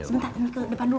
sebentar ini ke depan dulu